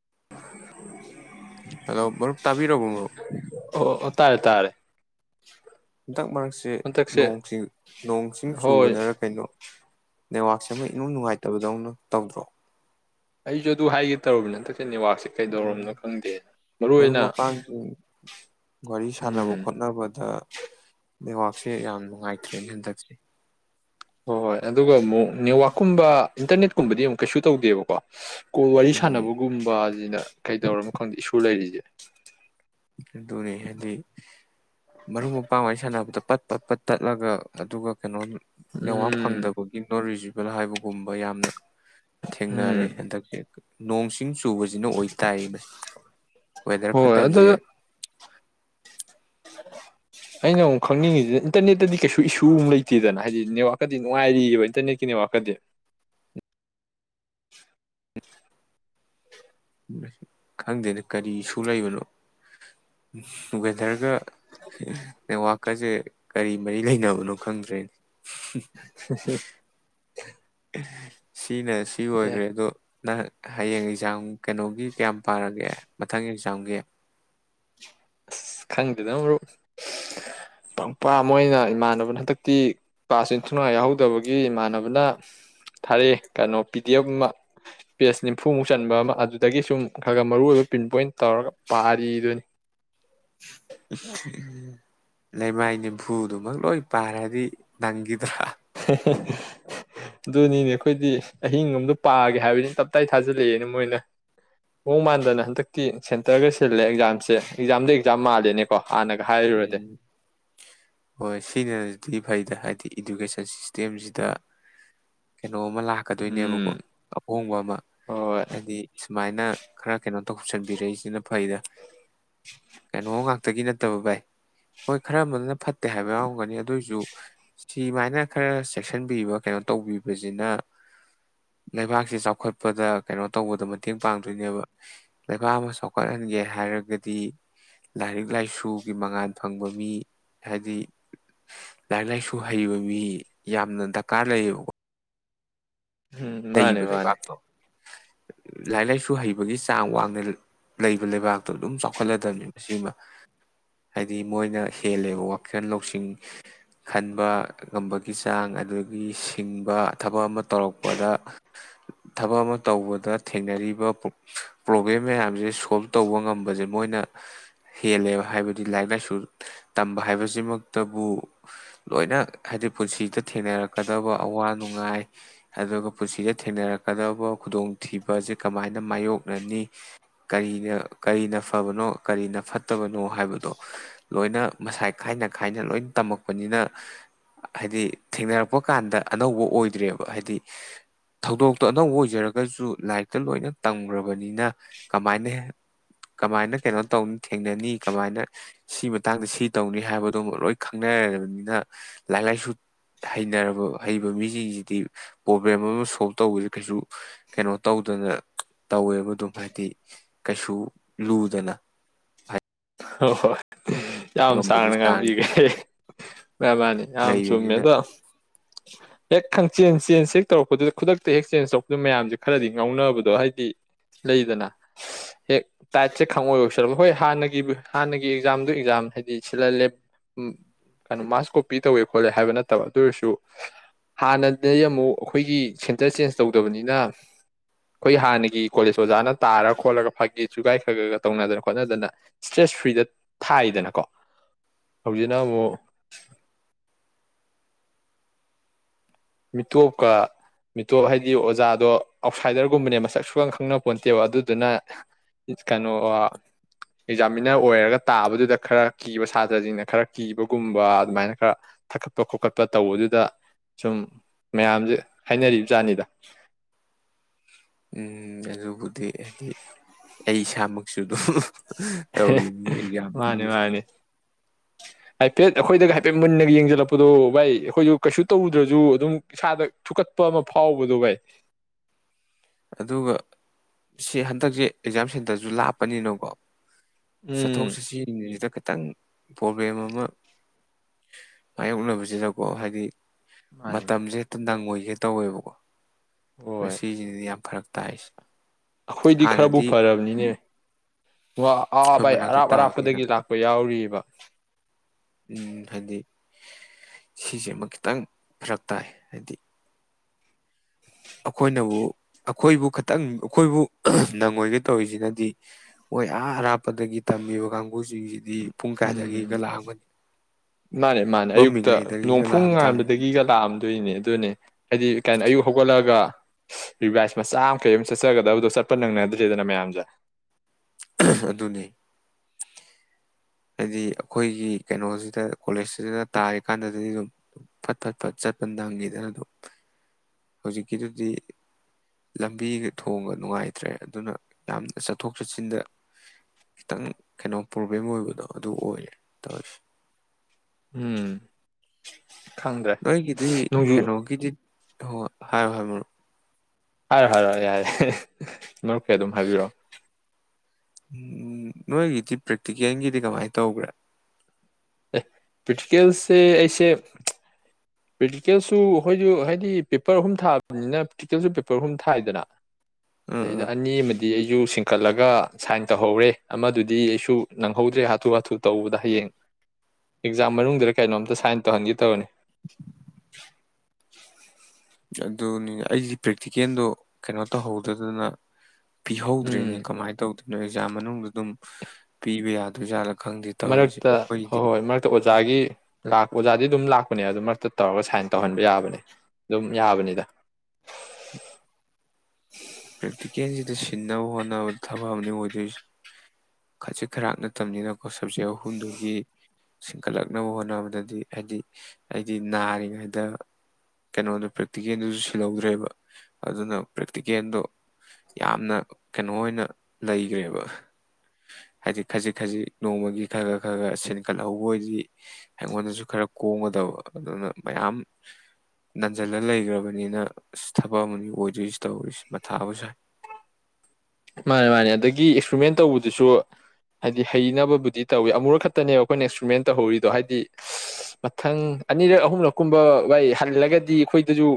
[inaudible] hello ꯃꯔꯨꯞ ꯇꯥꯕꯤꯔꯕꯣ ꯃꯔꯨꯞ ꯑꯣ ꯑꯣ ꯇꯥꯔꯦ ꯇꯥꯔꯦ ꯍꯟꯗꯛ ꯃꯔꯛꯁꯦ ꯅꯣꯡ ꯍꯟꯗꯛꯁꯦ ꯅꯣꯡ ꯆꯤꯡ ꯍꯣꯏ ꯆꯨꯕꯅꯔ ꯀꯩꯅꯣ ꯅꯦꯋꯥꯛꯁꯦ ꯑꯃ ꯏꯅꯨꯡ ꯅꯨꯡꯉꯥꯏꯇꯦ ꯇꯕꯅ ꯇꯧ ꯗ꯭ꯔꯣ ꯑꯩꯁꯨ ꯑꯗꯨ ꯍꯥꯏꯒꯦ ꯇꯧꯔꯞꯕꯅꯦ ꯍꯟꯇꯛ ꯎꯝ ꯃꯔꯨ ꯃꯔꯨꯞ ꯑꯣꯏꯅ ꯃꯄꯥꯡꯒꯤ ꯋꯥꯔꯤ ꯁꯥꯟꯅꯕ ꯎꯝ ꯈꯣꯠꯅꯕꯗ ꯅꯦꯠꯋꯥꯛꯁꯦ ꯌꯥꯝ ꯅꯨꯡꯉꯥꯏꯇ꯭ꯔꯦꯅꯦ ꯍꯟꯗꯛꯁꯦ ꯍꯣꯏ ꯍꯣꯏ ꯑꯗꯨꯒ ꯑꯃꯨꯛ ꯅꯦꯠꯋꯥꯛꯀꯨꯝꯕ ꯏꯟꯇꯔꯅꯦꯠꯀꯨꯝꯕꯗꯤ ꯑꯃꯨꯛ ꯀꯩꯁꯨ ꯇꯧꯗꯦꯕꯀꯣ ꯀꯣꯟ ꯋꯥꯔꯤ ꯎꯝ ꯁꯥꯟꯅꯕꯒꯨꯝꯕꯕꯁꯤꯅ ꯀꯩꯗꯧꯔꯃꯣ ꯈꯪꯗꯦ ꯏꯁꯨ ꯂꯩꯔꯤꯁꯦ ꯑꯗꯨꯅꯤ ꯍꯥꯏꯗꯤ ꯃꯔꯨꯞ ꯃꯄꯥꯡ ꯋꯥꯔꯝ ꯁꯥꯟꯅꯕꯗ ꯄꯠ ꯄꯠ ꯄꯠ ꯇꯠꯂꯒ ꯑꯗꯨꯒ ꯀꯩꯅꯣ ꯅꯦꯋꯥꯛ ꯎꯝ ꯐꯪꯗꯕꯒꯤ ꯅꯣ ꯔꯤꯖꯦꯕꯜ ꯍꯥꯏꯕꯒꯨꯝꯕ ꯌꯥꯝꯅ ꯊꯦꯡꯅꯔꯦ ꯎꯝ ꯍꯟꯗꯛꯀꯤ ꯅꯣꯡꯁꯤꯡ [unintelligible] ꯆꯨꯕꯁꯤꯅ ꯑꯣꯏ ꯇꯥꯏ ꯋꯦꯗꯔ ꯍꯣꯏ ꯐꯠꯇꯕꯁꯦ ꯑꯗꯨꯗ ꯑꯩꯅ ꯑꯃꯨꯛ ꯈꯪꯅꯤꯡꯉꯤꯁꯤꯅ ꯏꯟꯇꯔꯅꯦꯠꯇꯗꯤ ꯀꯩꯁꯨ ꯏꯁꯨ ꯑꯃ ꯂꯩꯇꯦꯗꯅ ꯍꯥꯏꯗꯤ ꯅꯦꯠꯋꯥꯛꯀꯗꯤ ꯅꯨꯡꯉꯥꯏꯔꯤꯑꯕ ꯏꯟꯇꯔꯅꯦꯠꯀꯤ ꯅꯦꯠꯋꯥꯛꯀꯗꯤ ꯈꯪꯗꯦꯅꯦ ꯀꯔꯤꯁꯨ ꯂꯩꯕꯅꯣ ꯋꯦꯗꯔꯒ ꯅꯦꯠꯋꯥꯛꯀꯁꯦ ꯀꯔꯤ ꯃꯔꯤ ꯂꯩꯅꯕꯅꯣ ꯈꯪꯗ꯭ꯔꯦꯅꯦ ꯑ [unintelligible] [unintelligible] ꯎꯝ ꯁꯤꯅ ꯁꯤ ꯑꯣꯏꯈ꯭ꯔꯦ ꯑꯗꯣ ꯅꯪ ꯍꯌꯦꯡ ꯑꯦꯛꯖꯥꯝ ꯀꯩꯅꯣꯒꯤ ꯀꯌꯥꯝ ꯄꯥꯔꯒꯦ ꯃꯊꯪꯒꯤ ꯑꯦꯛꯖꯥꯝꯒꯤ ꯑꯁ ꯈꯪꯗꯦꯅ ꯃꯔꯨꯞ ꯄꯪꯄꯥ ꯃꯣꯏꯅ ꯏꯃꯥꯟꯅꯕꯅ ꯍꯟꯗꯛꯇꯤ ꯀ꯭ꯂꯥꯁ ꯏꯟꯊꯨꯡꯉ ꯌꯥꯎꯍꯧꯗꯕꯒꯤ ꯏꯃꯥꯟꯅꯕꯅ ꯊꯥꯔꯛꯑꯦ ꯀꯩꯅꯣ ꯄꯤ ꯗꯤ ꯑꯦꯐ ꯑꯃ ꯄꯦꯖ ꯅꯤꯐꯨꯃꯨꯛ ꯆꯟꯕ ꯑꯃ ꯑꯗꯨꯗꯒꯤ ꯁꯨꯝ ꯈꯔ ꯈꯔ ꯃꯔꯨ ꯑꯣꯏꯏꯕ ꯄ꯭ꯔꯤꯟ ꯄꯣꯏꯟ ꯇꯧꯔꯒ ꯄꯥꯔꯤꯗꯨꯅꯤ ꯂꯩꯃꯥꯏ ꯅꯤꯝꯐꯨꯗꯨꯃꯛ ꯂꯣꯏ ꯄꯥꯏꯔꯗꯤ ꯅꯪꯈꯤꯗ꯭ꯔꯥ ꯑꯗꯨꯅꯤꯅꯦ ꯑꯩꯈꯣꯏꯗꯤ ꯑꯍꯤꯡꯣꯝꯗ ꯄꯥꯒꯦ ꯍꯥꯏꯕꯅꯤ ꯇꯞꯇꯥꯏ ꯊꯥꯖꯤꯜꯂꯛꯑꯦꯅ ꯃꯣꯏꯅ ꯃꯣꯡꯡ ꯃꯥꯟꯗꯅ ꯍꯟꯗꯛꯇꯤ ꯁꯦꯟꯇꯔꯒ ꯁꯤꯜꯂꯦ ꯑꯦꯛꯖꯥꯝꯁꯦ ꯑꯦꯛꯖꯥꯝꯗ ꯑꯦꯛꯖꯥꯝ ꯃꯥꯜꯂꯦꯅꯦꯀꯣ ꯍꯥꯟꯅꯒ ꯍꯥꯏꯔꯨꯔꯗꯤ ꯎꯝ ꯍꯣꯏ ꯁꯤꯅꯦ ꯑꯩꯩꯗ ꯍꯥꯏꯗꯤ ꯏꯗꯨꯀꯦꯁꯟ ꯁꯤꯁꯇꯦꯝꯁꯤꯗ ꯀꯩꯅꯣ ꯑꯃ ꯎꯝ ꯂꯥꯛꯀꯗꯣꯏꯅꯦꯕꯀꯣ ꯑꯍꯣꯡꯕ ꯑꯃ ꯍꯣꯏ ꯍꯥꯏꯗꯤ ꯁꯨꯃꯥꯏꯅ ꯈꯔ ꯀꯩꯅꯣ ꯇꯧꯁꯟꯕꯤꯔꯛꯏꯁꯤꯅ ꯐꯩꯗ ꯀꯩꯅꯣ ꯉꯥꯛꯇꯒꯤ ꯅꯠꯇꯕ ꯚꯥꯏ ꯍꯣꯏ ꯈꯔ ꯑꯃꯅ ꯐꯠꯇꯦ ꯍꯥꯏꯕ ꯌꯥꯎꯔꯝꯒꯅꯤ ꯑꯗꯨꯑꯣꯏꯁꯨ ꯁꯤꯃꯥꯏꯅ ꯈꯔ ꯆꯦꯛꯁꯤꯟꯕꯤꯕ ꯀꯩꯅꯣ ꯇꯧꯕꯤꯕꯁꯤꯅ ꯂꯩꯕꯥꯛꯁꯤ ꯆꯥꯎꯈꯠꯄꯗ ꯀꯩꯅꯣ ꯇꯧꯕꯗ ꯃꯇꯦꯡ ꯄꯥꯡꯗꯣꯏꯅꯦꯕ ꯂꯩꯕꯥꯛ ꯑꯃ ꯆꯥꯎꯈꯠꯍꯟꯒꯦ ꯍꯥꯏꯔꯒꯗꯤ ꯂꯥꯏꯔꯤꯛ ꯂꯥꯏꯁꯨ ꯒꯤ ꯃꯉꯥꯥꯟꯜ ꯐꯪꯕ ꯃꯤ ꯍꯥꯏꯗꯤ ꯂꯥꯏꯔꯤꯛ ꯂꯥꯏꯁꯨ ꯍꯩꯕ ꯃꯤ ꯌꯥꯝꯅ ꯗꯔꯀꯥꯔ ꯂꯩꯌꯦꯕꯀꯣ ꯎꯝ ꯃꯥꯅꯦ ꯂꯩꯕ ꯃꯥꯅꯦ ꯂꯩꯕꯥꯛꯇꯣ ꯂꯥꯏꯔꯤꯛ ꯂꯥꯏꯁꯨ ꯍꯩꯕꯒꯤ ꯆꯥꯡ ꯋꯥꯡꯅ ꯂꯩꯕ ꯂꯩꯕꯥꯛꯇꯣ ꯑꯗꯨꯝ ꯆꯥꯎꯈꯠꯂꯗꯝꯕꯅꯤ ꯃꯁꯤꯃ ꯍꯥꯏꯗꯤ ꯃꯣꯏꯅ ꯍꯦꯜꯂꯦꯕ ꯋꯥꯈꯜ ꯂꯧꯁꯤꯡ ꯈꯟꯕ ꯉꯝꯕꯒꯤ ꯆꯥꯡ ꯑꯗꯒꯤ ꯁꯤꯡꯕ ꯊꯕꯛ ꯑꯃ ꯇꯧꯔꯛꯄꯗ ꯊꯕꯛ ꯑꯃ ꯇꯧꯕꯗ ꯊꯦꯡꯅꯔꯤꯕ ꯄ꯭ꯔꯣꯕ꯭ꯂꯦꯝ ꯃꯌꯥꯝꯁꯦ ꯁꯣꯜꯕ ꯇꯧꯕ ꯉꯝꯕꯁꯦ ꯃꯣꯏꯅ ꯍꯦꯜꯂꯦꯕ ꯍꯥꯏꯕꯗꯤ ꯂꯥꯏꯔꯤꯛ ꯂꯥꯏꯁꯨ ꯇꯝꯕ ꯍꯥꯏꯕꯁꯤꯃꯛꯇꯕꯨ ꯂꯣꯏꯅ ꯍꯥꯏꯗꯤ ꯄꯨꯟꯁꯤꯗ ꯊꯦꯡꯅꯔꯛꯀꯗꯕ ꯑꯋꯥ ꯅꯨꯡꯉꯥꯏ ꯑꯗꯨꯒ ꯄꯨꯟꯁꯤꯗ ꯊꯦꯡꯅꯔꯛꯀꯗꯕ ꯈꯨꯗꯣꯡꯊꯤꯕꯁꯦ ꯀꯃꯥꯏꯅ ꯃꯥꯌꯣꯛꯅꯅꯤ ꯀꯔꯤꯅ ꯀꯔꯤꯅ ꯐꯕꯅꯣ ꯀꯔꯤꯅ ꯐꯠꯇꯕꯅꯣ ꯍꯥꯏꯕꯗꯣ ꯂꯣꯏꯅ ꯃꯁꯥꯏ ꯈꯥꯏꯅ ꯈꯥꯏꯅ ꯂꯣꯏ ꯇꯝꯃꯛꯄꯅꯤꯅ ꯍꯥꯏꯗꯤ ꯊꯦꯡꯅꯔꯛꯄ ꯀꯥꯟꯗ ꯑꯅꯧꯕ ꯑꯣꯏꯗ꯭ꯔꯦꯕ ꯍꯥꯏꯗꯤ ꯊꯧꯗꯣꯛꯇꯣ ꯑꯅꯧꯕ ꯑꯣꯏꯖꯔꯒꯁꯨ ꯂꯥꯏꯔꯤꯛꯇ ꯂꯣꯏꯅ ꯇꯝꯈ꯭ꯔꯕꯅꯤꯅ ꯀꯃꯥꯏꯅ ꯀꯃꯥꯏꯅ ꯀꯩꯅꯣ ꯇꯧꯅꯤ ꯊꯦꯡꯅꯅꯤ ꯀꯃꯥꯏꯅ ꯁꯤ ꯃꯇꯥꯡꯗ ꯁꯤ ꯇꯧꯅꯤ ꯍꯥꯏꯕꯗꯣ ꯂꯣꯏ ꯈꯪꯅꯔꯕꯅꯤꯅ ꯂꯥꯏꯔꯤꯛ ꯂꯥꯏꯁꯨ ꯍꯩꯅꯔꯕꯕ ꯍꯩꯕ ꯃꯤꯁꯤꯡꯁꯤꯗꯤ ꯄ꯭ꯔꯣꯕ꯭ꯂꯦꯝ ꯑꯃ ꯁꯣꯜꯕ ꯇꯧꯕꯁꯦ ꯀꯩꯁꯨ ꯀꯩꯅꯣ ꯇꯧꯗꯅ ꯇꯧꯋꯦꯕ ꯑꯗꯨꯝ ꯍꯥꯏꯗꯤ ꯀꯩꯁꯨ ꯂꯨꯗꯅ ꯐꯩ ꯍꯣꯏ ꯍꯣꯏ ꯌꯥꯝꯝ ꯁꯅ ꯆꯥꯡꯁꯦ ꯀꯝꯕꯤꯒ ꯃꯦꯃ ꯑꯝ ꯂꯩꯕꯅꯤꯅ ꯆꯨꯝꯃꯦꯗ ꯍꯦꯛ ꯈꯪꯆꯦꯟ ꯆꯦꯟꯖ ꯍꯦꯛ ꯇꯧꯔꯛꯄꯗꯨꯗ ꯈꯨꯗꯛꯇ ꯍꯦꯛ ꯆꯦꯟꯖ ꯇꯧꯔꯛꯄꯗꯨꯗ ꯃꯌꯥꯝꯁꯦ ꯈꯔꯗꯤ ꯉꯥꯎꯅꯕꯗꯣ ꯍꯥꯏꯗꯤ ꯂꯩꯗꯅ ꯍꯦꯛ ꯇꯥꯏꯠꯁꯦ ꯈꯪꯉꯏ ꯑꯣꯏꯁꯜꯂ ꯍꯣꯏ ꯍꯥꯟꯅꯒꯤ ꯍꯥꯟꯅꯒꯤ ꯑꯦꯛꯖꯥꯝꯗꯨ ꯑꯦꯛꯖꯥꯝ ꯍꯥꯏꯗꯤ ꯁꯤꯜꯍꯜꯂꯦ ꯀꯩꯅꯣ ꯃꯥꯔꯁ ꯀꯣꯄꯤ ꯇꯧꯋꯦ ꯈꯣꯠꯂꯦ ꯍꯥꯏꯕ ꯅꯠꯇꯕ ꯑꯗꯨ ꯑꯣꯏꯔꯁꯨ ꯍꯥꯟꯅꯗꯒꯤ ꯑꯃꯨꯛ ꯑꯩꯈꯣꯏꯒꯤ ꯁꯦꯟꯇꯔ ꯆꯦꯟꯖ ꯇꯧꯗꯕꯅꯤꯅ ꯑꯩꯈꯣꯏ ꯍꯥꯟꯅꯒꯤ ꯀꯣꯂꯦꯖ ꯑꯣꯖꯥꯅ ꯇꯥꯔ ꯈꯣꯠꯂꯒ ꯐꯒꯦ ꯁꯨꯒꯥꯏ ꯈꯔ ꯈꯒ ꯇꯧꯅꯗꯅ ꯈꯣꯠꯅꯗꯅ ꯏꯁꯇ꯭ꯔꯦꯁ ꯐ꯭ꯔꯤꯗ ꯊꯥꯏꯗꯅꯀꯣ ꯍꯧꯖꯤꯛꯅ ꯑꯃꯨꯛ ꯃꯤꯇꯣꯞꯀ ꯃꯤꯇꯣꯞ ꯍꯥꯏꯗꯤ ꯑꯣꯖꯥꯗꯣ ꯑꯥꯎꯠꯁꯥꯏꯗꯔꯒꯨꯝꯕꯅꯦ ꯃꯁꯛ ꯁꯨꯈꯪ ꯈꯪꯅ ꯄꯣꯟꯠꯇꯦꯕ ꯑꯗꯨꯗꯨꯅ ꯀꯩꯅꯣ ꯑꯦꯛꯖꯥꯃꯤꯅꯔ ꯑꯣꯏꯔꯒ ꯇꯥꯕꯗꯨꯗ ꯈꯔ ꯀꯤꯕ ꯁꯥꯇ꯭ꯔꯁꯤꯡꯅ ꯈꯔ ꯀꯤꯕꯒꯨꯝꯕ ꯑꯗꯨꯃꯥꯏꯅ ꯈꯔ ꯊꯥꯀꯠꯄ ꯈꯣꯠꯀꯠꯄ ꯇꯧꯕꯗꯨꯗ ꯁꯨꯝ ꯃꯌꯥꯝꯁꯦ ꯍꯥꯏꯅꯔꯤꯕꯖꯥꯅꯤꯗ ꯎꯝ ꯑꯗꯨꯕꯨꯗꯤ ꯍꯥꯏꯗꯤ ꯑꯩ ꯏꯁꯥꯃꯛꯁꯨ ꯑꯗꯨꯝ ꯇꯧꯔꯤꯅꯤ ꯌꯥꯝ ꯃꯥꯅꯤ ꯅꯨꯡꯉ ꯃꯥꯅꯤ ꯍꯥꯏꯐꯦꯠ ꯑꯩꯈꯣꯏꯗꯒ ꯍꯥꯏꯐꯦꯠ ꯃꯨꯟꯅꯒ ꯌꯦꯡꯁꯤꯜꯂꯛꯄꯗꯣ ꯚꯥꯏ ꯑꯩꯈꯣꯏꯗ ꯀꯩꯁꯨ ꯇꯧꯗ꯭ꯔꯁꯨ ꯑꯗꯨꯝ ꯏꯁꯥꯗ ꯊꯨꯀꯠꯄ ꯑꯃ ꯐꯥꯎꯕꯗꯣ ꯚꯥꯏ ꯑꯗꯨꯒ ꯁꯤ ꯍꯟꯗꯛꯁꯦ ꯑꯦꯛꯖꯥꯝ ꯁꯦꯟꯇꯔꯁꯨ ꯂꯥꯞꯄꯅꯤꯅꯀꯣ ꯆꯠꯊꯣꯛ ꯎꯝ ꯆꯠꯁꯤꯁꯤꯗ ꯈꯤꯇꯪ ꯄ꯭ꯔꯣꯕ꯭ꯂꯦꯝ ꯑꯃ ꯃꯥꯌꯣꯛꯅꯕꯁꯤꯗꯀꯣ ꯍꯥꯏꯗꯤ ꯃꯥꯅꯤ ꯃꯥꯅꯤ ꯃꯇꯝꯁꯦ ꯍꯦꯛꯇ ꯅꯪꯉꯣꯏ ꯍꯦ ꯇꯧꯋꯦꯕꯀꯣ ꯃ ꯍꯣꯏ ꯁꯤ ꯆꯅꯤ ꯐꯔꯛ ꯇꯥꯏꯁꯦ ꯑꯩꯈꯣꯏꯗꯤ ꯈꯔꯕꯨ ꯍꯥꯟꯅꯗꯤ ꯐꯔꯕꯅꯤꯅꯦ ꯋꯥ ꯑꯥ ꯑꯩꯈꯣꯏ ꯑꯥ ꯏ ꯃꯅꯥꯛꯇ ꯑꯔꯥꯞ ꯇꯥꯕꯅꯤꯅ ꯑꯔꯥꯞꯄꯗꯒꯤ ꯂꯥꯛꯄ ꯌꯥꯎꯔꯤꯕ ꯁꯤꯁ ꯑꯃ ꯈꯤꯇꯪ ꯐꯔꯛ ꯇꯥꯏ ꯍꯥꯏꯗꯤ ꯑꯩꯈꯣꯏꯅꯕꯨ ꯑꯩꯈꯣꯏꯕꯨ ꯈꯤꯇꯪ ꯑꯩꯈꯣꯏꯕꯨ ꯅꯪꯉꯣꯏꯒꯦ ꯇꯧꯔꯤꯁꯤꯅꯗꯤ ꯃꯣꯏ ꯑꯥ ꯑꯔꯥꯞꯄꯗꯒꯤ ꯇꯝꯃꯤꯕ ꯀꯥꯡꯕꯨ ꯃꯣꯏꯁꯤꯡꯁꯤꯗꯤ ꯄꯨꯡ ꯀꯥꯏꯗꯒꯤꯒ ꯎꯝ ꯂꯥꯛꯑꯝꯒꯅꯤ ꯃꯥꯅꯦ ꯃꯥꯅꯦ ꯑꯌꯨꯛꯇ ꯃꯝꯃꯤꯉꯩꯗꯒꯤꯒ ꯅꯣꯡꯐꯨ ꯂꯥꯛꯑꯝ ꯇꯥꯕꯅꯤ ꯉꯥꯟꯕꯗꯒꯤꯒ ꯂꯥꯛꯑꯝꯗꯣꯏꯅꯦ ꯑꯗꯨꯅꯦ ꯍꯥꯏꯗꯤ ꯀꯥꯏꯅ ꯑꯌꯨꯛ ꯍꯧꯒꯠꯂ ꯆꯠ ꯔꯤꯚꯥꯏꯁ ꯃꯆꯥ ꯑꯃ ꯀꯩ ꯑꯃ ꯆꯠꯆꯒꯗꯕꯗꯣ ꯆꯠꯄ ꯅꯪꯅꯗ꯭ꯔꯦꯗꯅ ꯃꯌꯥꯝꯁꯦ ꯑꯗꯨꯅꯤ ꯍꯥꯏꯗꯤ ꯑꯩꯈꯣꯏꯒꯤ ꯀꯩꯅꯣꯁꯤꯗ ꯀꯣꯂꯦꯖꯁꯤꯗ ꯇꯥꯔꯤꯀꯥꯟꯗꯗꯤ ꯑꯗꯨꯝ ꯐꯠ ꯐꯠ ꯐꯠ ꯆꯠꯄ ꯅꯪꯈꯤꯗꯅ ꯑꯗꯨꯝ ꯍꯧꯖꯤꯛꯀꯤꯗꯨꯗꯤ ꯂꯝꯕꯤꯒ ꯊꯣꯡꯕ ꯅꯨꯡꯉꯥꯏꯇ꯭ꯔꯦ ꯑꯗꯨꯅ ꯌꯥꯝꯅ ꯆꯠꯊꯣꯛ ꯆꯠꯁꯤꯟꯗ ꯈꯤꯇꯪ ꯀꯩꯅꯣ ꯄ꯭ꯔꯣꯕ꯭ꯂꯦꯝ ꯑꯣꯏꯕꯗꯣ ꯑꯗꯨ ꯑꯣꯏꯔꯦ ꯇꯧꯔꯤꯁꯦ ꯎꯝ ꯈꯪꯗ꯭ꯔꯦ ꯅꯣꯏꯒꯤꯗꯤ ꯅꯣꯡꯖꯨ ꯀꯩꯅꯣꯒꯤꯗꯤ ꯍ ꯍꯥꯏꯌꯣ ꯍꯥꯏ ꯃꯨꯞ ꯍꯥꯏꯔꯑꯣ ꯍꯥꯏꯔꯑꯣ ꯌꯥꯔꯦ ꯅꯣꯛꯀꯦ ꯑꯗꯨꯝ ꯍꯥꯏꯕꯤꯔꯛꯑꯣ ꯎꯝ ꯅꯣꯏꯒꯤꯗꯤ ꯄ꯭ꯔꯦꯛꯇꯤꯀꯦꯜꯒꯤꯗꯤ ꯀꯃꯥꯏꯅ ꯇꯧꯕ꯭ꯔꯦ ꯄꯤꯁꯦ ꯑꯩꯁꯦ ꯄ꯭ꯔꯔꯤꯦꯛꯇꯤꯀꯦꯜꯁꯨ ꯑꯩꯈꯣꯏꯁꯨ ꯍꯥꯏꯗꯤ ꯄꯦꯄꯔ ꯑꯍꯨꯝ ꯊꯥꯕꯅꯤꯅ ꯄ꯭ꯔꯦꯛꯇꯤꯀꯦꯜꯁꯨ ꯄꯦꯄꯔ ꯑꯍꯨꯝ ꯊꯥꯏꯗꯅ ꯎꯝ ꯑꯗꯩꯗ ꯎꯝ ꯑꯅꯤ ꯑꯃꯗꯤ ꯑꯩ ꯌꯨ ꯁꯤꯡꯀꯠꯂꯒ ꯁꯥꯏꯟ ꯇꯧꯍꯧꯔꯦ ꯑꯃꯗꯨꯗꯤ ꯑꯩꯁꯨ ꯅꯪꯍꯧꯗ꯭ꯔꯦ ꯍꯥꯊꯨ ꯍꯥꯊꯨ ꯇꯧꯕꯗ ꯍꯌꯦꯡ ꯑꯦꯛꯖꯥꯝ ꯃꯅꯨꯡꯗꯨꯗ ꯀꯩꯅꯣꯝꯇ ꯁꯥꯏꯟ ꯇꯧꯍꯟꯒꯦ ꯇꯧꯕꯅꯤ ꯑꯗꯨꯅꯤ ꯑꯩꯗꯤ ꯄ꯭ꯔꯦꯛꯇꯤꯀꯦꯜꯗꯣ ꯀꯩꯅꯣ ꯇꯧꯍꯧꯗꯗꯅ ꯄꯤꯍꯧꯗ꯭ꯔꯔꯤꯅꯦ ꯎꯝ ꯀꯃꯥꯏꯅ ꯇꯧꯗꯣꯏꯅꯣ ꯑꯦꯛꯖꯥꯝ ꯃꯅꯨꯡꯗ ꯑꯗꯨꯝ ꯄꯤꯕ ꯌꯥꯗ ꯆꯂ ꯃꯔꯛꯇ ꯍꯣꯏ ꯍꯣꯏ ꯃꯔꯛꯇ ꯑꯣꯖꯥꯒꯤ ꯑꯣꯖꯥꯗꯤ ꯑꯗꯨꯝ ꯂꯥꯛꯄꯅꯦ ꯑꯗꯨ ꯃꯔꯛꯇ ꯇꯧꯔꯒ ꯁꯥꯏꯟ ꯇꯧꯍꯟꯕ ꯌꯥꯕꯅꯦ ꯑꯗꯨꯝ ꯌꯥꯕꯅꯤꯗ ꯎꯝ [unintelligible] ꯄ꯭ꯔꯦꯛꯇꯤꯀꯦꯜꯁꯤꯗ ꯁꯤꯟꯅꯕ ꯍꯣꯠꯅꯕꯗ ꯊꯕꯛꯅꯦ ꯑꯣꯏꯗꯣꯏꯁ ꯈꯁꯤ ꯈꯔꯥꯛ ꯅꯠꯇꯕꯅꯤꯅ ꯑꯩ ꯁꯕꯖꯦꯛ ꯑꯍꯨꯝꯗꯨꯒꯤ ꯁꯤꯡꯀꯠꯂꯛꯅꯕ ꯍꯣꯠꯅꯕꯗꯗꯤ ꯍꯥꯏꯗꯤ ꯑꯩꯗꯤ ꯅꯥꯔꯤꯉꯩꯗ ꯀꯩꯅꯣꯗꯣ ꯄ꯭ꯔꯦꯛꯇꯤꯀꯦꯜꯗꯨꯁꯨ ꯁꯤꯜꯍꯧꯗ꯭ꯔꯦꯕ ꯑꯗꯨꯅ ꯄ꯭ꯔꯦꯛꯇꯤꯀꯦꯜꯗꯣ ꯌꯥꯝꯅ ꯀꯩꯅꯣ ꯑꯣꯏꯅ ꯂꯩꯈ꯭ꯔꯦꯕ ꯍꯥꯏꯗꯤ ꯈꯖꯤꯛ ꯈꯖꯤꯛ ꯅꯣꯡꯃꯒꯤ ꯈ ꯈ꯭ꯔ ꯈ ꯈ ꯁꯦꯟꯀꯠꯍꯧꯕ ꯑꯣꯏꯗꯤ ꯑꯩꯉꯣꯟꯗꯁꯨ ꯈꯔ ꯀꯣꯡꯒꯗꯕ ꯑꯗꯨꯅ ꯃꯌꯥꯝ ꯅꯟꯖꯜꯂ ꯂꯩꯈ꯭ꯔꯕꯅꯤꯅ ꯑ ꯊꯕꯛ ꯑꯃꯅꯤ ꯑꯣꯏꯗꯣꯏꯁꯤ ꯇꯧꯔꯤꯁꯦ ꯃꯥꯅꯦ ꯃꯥꯅꯦ ꯑꯗꯨꯗꯒꯤ ꯑꯦꯛꯁꯇ꯭ꯔꯤꯃꯦꯟ ꯇꯧꯕꯗꯨꯁꯨ ꯍꯥꯏꯗꯤ ꯍꯩꯅꯕꯕꯨꯗꯤ ꯇꯧꯋꯤ ꯑꯃꯨꯔꯛ ꯈꯛꯇꯅꯦꯕ ꯑꯩꯈꯣꯏꯅ ꯑꯦꯛꯁꯇ꯭ꯔꯤꯃꯦꯟ ꯇꯧꯍꯧꯔꯤꯗꯣ ꯍꯥꯏꯗꯤ ꯃꯊꯪ ꯑꯅꯤꯔꯛ ꯑꯍꯨꯝꯂꯛꯀꯨꯝꯕ ꯏ ꯍꯜꯂꯒꯗꯤ ꯑꯩꯈꯣꯏꯗꯁꯨ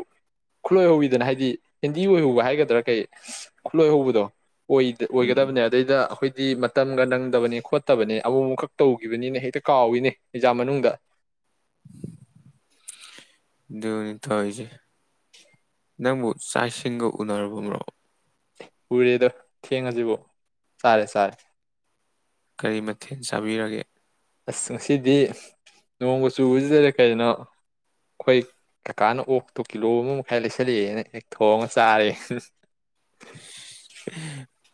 ꯈꯨꯠꯂꯣꯏꯍꯧꯋꯤꯗꯅ ꯍꯥꯏꯗꯤ ꯍꯦꯟꯗꯤ ꯑꯣꯏꯍꯧꯕ ꯍꯥꯏꯒꯗꯥ ꯑꯗꯨꯗ꯭ꯔ ꯀꯩ ꯈꯨꯠꯂꯣꯏ ꯍꯧꯕꯗꯣ ꯎꯝ ꯑꯣꯏꯒꯗꯕꯅꯦ ꯑꯗꯩꯗ ꯑꯩꯈꯣꯏꯗꯤ ꯃꯇꯝꯒ ꯅꯪꯗꯕꯅꯦ ꯈꯣꯠꯇꯕꯅꯦ ꯑꯃ ꯑꯃꯈꯛ ꯇꯧꯈꯤꯕꯅꯤꯅ ꯍꯦꯛꯇ ꯀꯥꯎꯏꯅꯦ ꯑꯦꯛꯖꯥ ꯃꯅꯨꯡꯗ ꯅꯤ ꯊꯣꯏꯁ ꯅꯪꯕꯨ ꯆꯥꯛ ꯏꯁꯤꯡꯒ ꯎꯅꯨꯔꯕꯣ ꯎꯔꯦꯗꯣ ꯊꯦꯡꯉꯁꯤꯕꯣ ꯆꯥꯔꯦ ꯆꯥꯔꯦ ꯀꯔꯤ ꯃꯊꯦꯜ ꯆꯥꯕꯤꯔꯒꯦ ꯑꯁ ꯉꯁꯤꯗꯤ ꯅꯣꯡꯃ ꯆꯨꯕꯁꯤꯗꯗ ꯀꯩꯅꯣ ꯑꯩꯈꯣꯏ ꯀꯀꯥꯅ ꯑꯣꯛꯇꯣ ꯀꯤꯂꯣ ꯑꯃ ꯃꯈꯥꯏ ꯂꯩꯁꯜꯂꯛꯑꯦꯅ ꯍꯦꯛ ꯊꯣꯡꯉ ꯆꯥꯔꯦ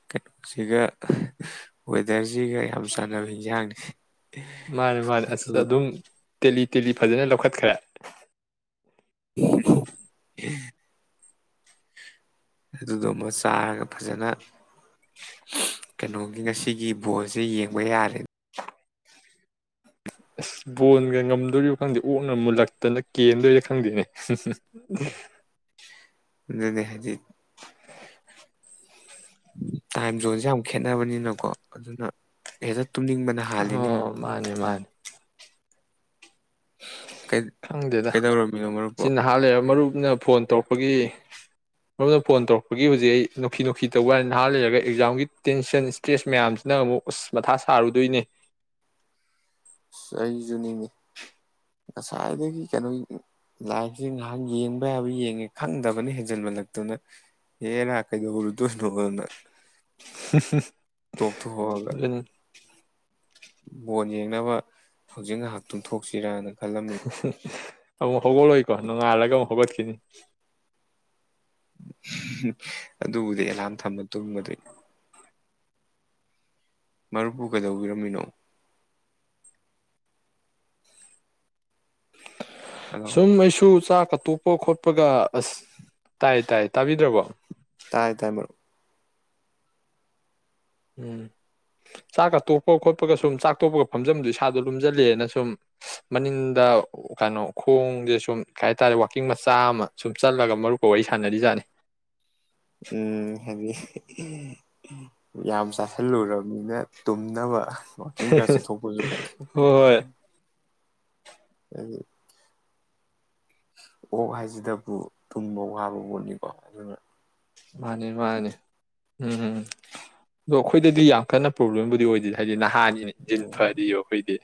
ꯀꯩꯅꯣ ꯁꯤꯒꯋꯦꯗꯔ ꯁꯤꯒ ꯌꯥꯝ ꯆꯥꯟꯅꯕ ꯌꯦꯟꯖꯥꯡꯅꯤ ꯃꯥꯅꯦ ꯃꯥꯅꯦ ꯑꯗꯨ ꯑꯁ ꯑꯗꯨꯝ ꯇꯦꯂꯤ ꯇꯦꯂꯤ ꯐꯖꯅ ꯂꯧꯈꯠꯈ꯭ꯔꯦ ꯑꯗꯨꯗꯨꯃ ꯆꯥꯔꯒ ꯐꯖꯅ ꯀꯩꯅꯣꯒꯤ ꯉꯁꯤꯒꯤ ꯕꯣꯜꯁꯦ ꯌꯦꯡꯕ ꯌꯥꯔꯦ ꯑꯁ ꯕꯣꯟꯒ ꯉꯝꯗꯣꯔꯤꯕ ꯈꯪꯗꯦ ꯑꯣꯛꯅ ꯃꯨꯜꯂꯛꯇꯅ ꯀꯦꯟꯗꯣꯏꯔ ꯈꯪꯗꯦꯅꯦ ꯑꯗꯨꯅꯦ ꯍꯥꯏꯗꯤ ꯇꯥꯏꯝ ꯖꯣꯟꯣꯟꯁꯦ ꯈꯦꯠꯅꯕꯅꯤꯅꯀꯣ ꯑꯗꯨꯅ ꯑꯦꯗꯠ ꯇꯨꯝꯅꯤꯡꯕꯅ ꯑ ꯍꯥꯜꯂꯤꯅꯤ ꯃꯥꯅꯦ ꯃꯥꯅꯦ ꯈꯪꯗꯦꯗ ꯀꯩꯗꯧꯔꯝꯃꯤꯅꯣ ꯃꯔꯨꯞꯄꯣ ꯁꯤ ꯅꯍꯥꯟ ꯂꯩꯕ ꯃꯔꯨꯞ ꯅ ꯐꯣꯟ ꯇꯧꯔꯛꯄꯒꯤ ꯃꯔꯨꯞꯅ ꯐꯣꯟ ꯇꯧꯔꯛꯄꯒꯤ ꯍꯧꯖꯤꯛ ꯑꯩ ꯅꯨꯡꯈꯤ ꯅꯨꯡꯈꯤ ꯇꯧꯕꯅꯤ ꯅꯍꯥꯟ ꯂꯩꯔꯒ ꯑꯦꯛꯖꯥꯝꯒꯤ ꯇꯦꯟꯁꯟ ꯏꯁꯇ꯭ꯔꯦꯁ ꯃꯌꯥꯝꯁꯤꯅ ꯑꯃꯨꯛ ꯎꯁ ꯃꯊꯥ ꯁꯥꯔꯨꯗꯣꯏꯅꯦ ꯑꯩꯁꯨ ꯅꯤꯡꯉ ꯉꯁꯥꯏꯗꯒꯤ ꯀꯩꯅꯣ ꯂꯥꯏꯟꯁꯦ ꯉꯥꯏꯍꯥꯛ ꯌꯦꯡꯕ ꯌꯥꯕ ꯌꯦꯡꯉꯦ ꯈꯪꯗꯕꯅ ꯍꯦꯟꯖꯟꯃꯜꯂꯛꯇꯅ ꯑꯦꯔꯥ ꯀꯩꯗꯧꯔꯨꯗꯣꯏꯅꯣꯅ ꯑꯗꯨ ꯕꯣꯣꯟ ꯌꯦꯡꯅꯕ ꯍꯧꯖꯤꯛ ꯉꯥꯏꯍꯥꯛꯇꯨ ꯊꯣꯛꯁꯤꯔꯅ [unintelligible] ꯑꯃꯨꯛ ꯍꯧꯒꯠꯂꯣꯏꯀꯣ ꯅꯣꯡꯉꯥꯜꯂꯒ ꯑꯃꯨꯛ ꯍꯧꯒꯠꯈꯤꯅꯤ ꯑꯗꯨꯕꯨꯗꯤ ꯑꯦꯂꯥꯝ ꯊꯝꯃ ꯇꯨꯝꯕꯗ ꯃꯔꯨꯞꯕꯨꯨ ꯀꯩꯗꯧꯕꯤꯔꯝꯃꯤꯅꯣ ꯍꯜꯂꯣ ꯁꯨꯝ ꯃꯩꯁꯨ ꯆꯥꯛ ꯀꯠꯠꯇꯣꯛꯄ ꯈꯣꯠꯄꯒ ꯑꯁ ꯇꯥꯏ ꯇꯥꯏ ꯇꯥꯕꯤꯗ꯭ꯔꯕꯣ ꯇꯥꯏ ꯇꯥꯏ ꯃꯔꯣ ꯎꯝ ꯆꯥꯛꯀ ꯇꯣꯛꯄ ꯈꯣꯠꯄꯒ ꯁꯨꯝ ꯆꯥꯛ ꯇꯣꯛꯄꯒ ꯐꯝꯖꯕꯗꯨꯣ ꯏꯁꯥꯗꯣ ꯂꯨꯝꯁꯤꯜꯂꯦꯅ ꯁꯨꯝ ꯃꯅꯤꯡꯗ ꯀꯩꯅꯣ ꯈꯣꯡꯁꯦ ꯁꯨꯝ ꯀꯩ ꯍꯥꯏ ꯇꯥꯔꯦ ꯋꯥꯛꯀꯤꯡ ꯃꯆꯥ ꯑꯃ ꯁꯨꯝ ꯆꯠꯂꯒ ꯃꯔꯨꯞꯀ ꯋꯥꯔꯤ ꯁꯥꯟꯅꯔꯤꯖꯥꯠꯅꯤ ꯎꯝ ꯍꯥꯏꯗꯤ ꯌꯥꯝ ꯆꯥꯁꯜꯂꯨꯔꯕꯅꯤꯅ ꯇꯨꯝꯅꯕ ꯋꯥꯥꯛꯀꯤꯡ ꯈꯔ ꯆꯠꯊꯣꯛꯄꯁꯨ ꯐꯩ ꯍꯣꯏ ꯍꯣꯏ ꯎꯝ ꯑꯣꯛ ꯍꯥꯏꯁꯤꯗꯕꯨ ꯇꯨꯝꯕ ꯋꯥꯕ ꯄꯣꯠꯅꯤꯀꯣ ꯑꯗꯨꯅ ꯃꯥꯅꯤ ꯃꯥꯅꯤ ꯎꯝꯝ ꯑꯗꯣ ꯑꯩꯈꯣꯏꯗꯗꯤ ꯌꯥꯝ ꯀꯟꯅ ꯄ꯭ꯔꯣꯕ꯭ꯂꯦꯝꯕꯨꯗꯤ ꯑꯣꯏꯗꯦꯗꯤ ꯍꯥꯏꯗꯤ ꯅꯍꯥꯟ ꯅꯍꯥꯅꯤꯅ ꯏꯟꯖꯤꯟ ꯐꯔꯤꯕ ꯑꯩꯈꯣꯏꯗꯤ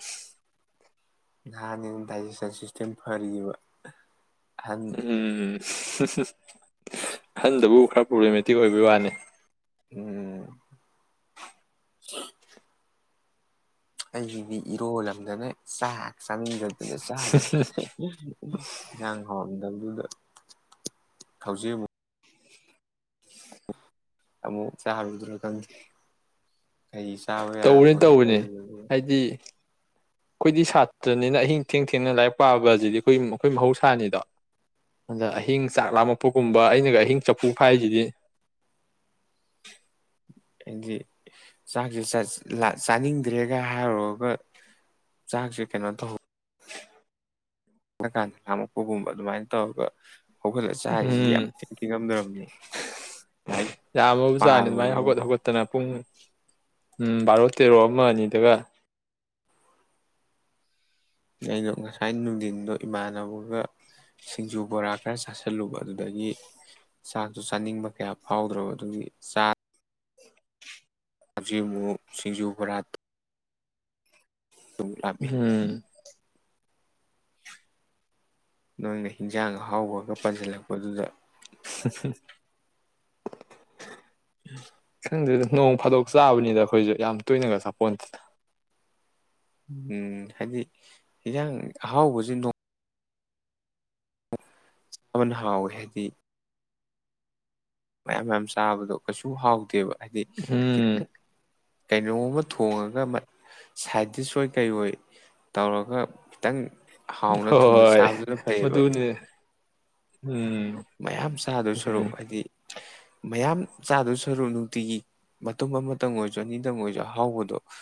ꯅꯍꯥꯅꯤꯅ ꯗꯥꯏꯖꯦꯁꯟ ꯁꯤꯁꯇꯦꯝ ꯐꯔꯤꯕ ꯑꯍꯟ ꯎꯝ [unintelligible] ꯑꯍꯟꯗꯕꯨ ꯈꯔ ꯄ꯭ꯔꯣꯕ꯭ꯂꯦꯝꯃꯦꯇꯤꯛ ꯑꯣꯏꯕꯩ ꯋꯥꯅꯤ ꯎꯝ ꯑꯩꯗꯤ ꯏꯔꯣꯜꯂꯝꯗꯅ ꯆꯥꯛ ꯆꯥꯅꯤꯡꯗꯕ ꯑꯗ ꯆꯥꯗ꯭ꯔꯦ ꯏꯟꯁꯥꯡ ꯍꯥꯎꯔꯝꯗꯕꯗꯨꯗ ꯍꯧꯖꯤꯛ ꯑꯃꯨꯛ ꯑꯃꯨꯛ ꯆꯥꯔꯨꯗꯣꯏꯔ ꯈꯪꯗꯦ ꯑꯩꯩ ꯆꯥꯕ ꯇꯧꯕꯅꯤ ꯌꯥꯕ ꯀꯩ ꯇꯧꯕꯅꯤ ꯍꯥꯏꯗꯤ ꯑꯩꯈꯣꯏꯗꯤ ꯁꯥꯇ꯭ꯔꯅꯤꯅ ꯑꯍꯤꯡ ꯊꯦꯡ ꯊꯦꯡꯅ ꯂꯥꯏꯔꯤꯛ ꯄꯥꯕꯁꯤꯗꯤ ꯑꯩꯈꯣꯏ ꯑꯩꯈꯣꯏ ꯃꯍꯧꯁꯥꯅꯤꯗꯣ ꯑꯗ ꯑꯍꯤꯡ ꯆꯥꯛ ꯂꯥꯝꯃꯛꯛꯄꯒꯨꯝꯕ ꯑꯩꯅꯒ ꯑꯍꯤꯡ ꯆꯐꯨ ꯐꯥꯛꯏꯁꯤꯗꯤ ꯍꯥꯏꯗꯤ ꯆꯥꯛꯁꯦ ꯆꯥꯅꯤꯡꯗ꯭ꯔꯦꯒ ꯍꯥꯏꯔꯨꯔꯒ ꯆꯥꯛꯁꯦ ꯀꯩꯅꯣ ꯇꯧ ꯊꯦꯉꯀꯥꯟꯗ ꯂꯥꯝꯃꯛꯄꯒꯨꯝꯕ ꯑꯗꯨꯃꯥꯏꯅ ꯇꯧꯔꯒ ꯍꯧꯒꯠꯂ ꯆꯥꯔꯤꯁꯤ ꯌꯥꯝ ꯎꯝ ꯊꯤꯉꯝ ꯉꯝꯗ꯭ꯔꯕꯅꯤ ꯂꯥꯏ ꯌꯥꯝꯃꯕꯖꯥꯠꯅꯤ ꯑꯗꯨꯃꯥꯏꯅ ꯍꯧꯒꯠ ꯄꯥꯔꯨꯔꯒꯀꯣ ꯍꯧꯒꯠꯇꯅ ꯄꯨꯡ ꯎꯝ ꯚꯥꯔꯣ ꯇꯔꯣ ꯑꯃ ꯑꯅꯤꯗꯒ ꯑꯩꯒ ꯉꯁꯥꯏ ꯅꯨꯡꯊꯤꯟꯗꯣ ꯏꯃꯥꯟꯅꯕꯒ ꯁꯤꯡꯖꯨ ꯕꯣꯔꯥ ꯈꯔ ꯆꯥꯁꯤꯜꯂꯨꯕ ꯑꯗꯨꯗꯒꯤ ꯆꯥꯛꯇꯣ ꯆꯥꯅꯤꯡꯕ ꯀꯌꯥ ꯐꯥꯎꯗ꯭ꯔꯕ ꯑꯗꯨꯒꯤ ꯆꯥ ꯍꯧꯖꯤꯛ ꯑꯃꯨꯛ ꯁꯤꯡꯖꯨ ꯕꯣꯔꯥ ꯑꯃꯨꯛ ꯂꯥꯝꯃꯤ ꯎꯝ ꯅꯣꯏꯅ ꯍꯤꯟꯖꯥꯡ ꯑꯍꯥꯎꯕꯒ ꯄꯟꯁꯤꯜꯂꯛꯄꯗꯨꯗ [unintelligible] [unintelligible] ꯈꯪꯗꯦꯗ ꯅꯣꯡ ꯐꯥꯗꯣꯛ ꯆꯥꯕꯅꯤꯗ ꯑꯩꯈꯣꯏꯁꯨ ꯌꯥꯝ ꯇꯣꯏꯅꯒ ꯆꯥꯄꯣꯟꯇꯦꯗ ꯎꯝ ꯍꯥꯏꯗꯤ ꯍꯟꯖꯥꯡ ꯑꯍꯥꯎꯕꯁꯤ ꯅꯣꯡ ꯑꯃꯅ ꯍꯥꯎꯋꯦ ꯍꯥꯏꯗꯤ ꯃꯌꯥꯝ ꯃꯌꯥꯝ ꯆꯥꯕꯗꯣ ꯀꯩꯁꯨ ꯍꯥꯎꯇꯦꯕ ꯍꯥꯏꯗꯤ ꯎꯝ ꯀꯩꯅꯣꯝꯃ ꯊꯣꯡꯉꯒ ꯁꯥꯏꯇꯗꯤꯁ ꯑꯣꯏ ꯀꯩ ꯑꯣꯏ ꯇꯧꯔꯒ ꯈꯤꯇꯪ ꯍꯣꯏ ꯍꯥꯎꯅ ꯊꯨꯝꯅ ꯍꯣꯏ ꯆꯥꯕꯗꯨꯅ ꯐꯩꯌꯦꯕ ꯃꯗꯨꯅꯦ ꯃꯌꯥꯝ ꯆꯥꯗꯣꯏ ꯁꯔꯨꯛ ꯍꯥꯏꯗꯤ ꯃꯌꯥꯝ ꯆꯥꯗꯨ ꯁꯔꯨꯛ ꯅꯨꯡꯇꯤꯒꯤ ꯃꯇꯨꯝ ꯑꯃꯇꯪ ꯑꯣꯏꯔꯁꯨ ꯑꯅꯤꯇꯪ ꯑꯣꯏꯔꯁꯨ ꯑꯍꯥꯎꯕꯗꯣ